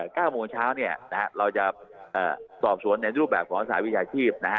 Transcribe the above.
เก้าโมงเช้าเนี่ยนะฮะเราจะเอ่อสอบสวนในรูปแบบของสหวิชาชีพนะฮะ